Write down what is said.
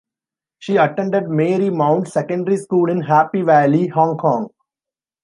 She attended Marymount Secondary School in Happy Valley, Hong Kong.